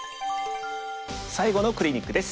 最後のクリニックです。